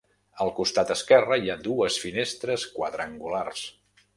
Al costat esquerre hi ha dues finestres quadrangulars.